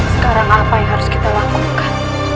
sekarang apa yang harus kita lakukan